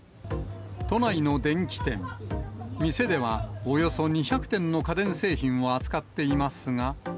都内の電器店、店ではおよそ２００点の家電製品を扱っていますが。